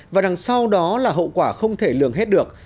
và đằng sau đó là hậu quả không thể lường hết được